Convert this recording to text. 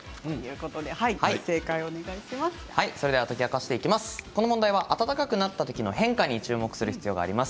この問題は暖かくなったときの変化に注目する必要があります。